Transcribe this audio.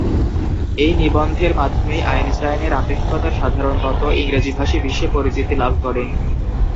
এই নিবন্ধের মাধ্যমেই আইনস্টাইনের আপেক্ষিকতার সাধারণ তত্ত্ব ইংরেজি ভাষী বিশ্বে পরিচিতি লাভ করে।